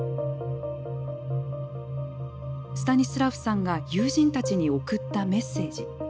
スタニスラフさんが友人たちに送ったメッセージ。